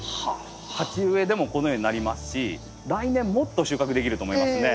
鉢植えでもこのようになりますし来年もっと収穫できると思いますね。